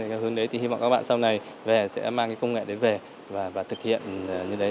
thì hướng đấy thì hy vọng các bạn sau này sẽ mang công nghệ đấy về và thực hiện như đấy